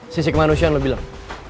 sisi kemanusiaan lo bilang